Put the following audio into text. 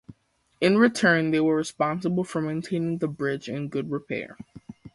In return, they were responsible for maintaining the bridge in good repair.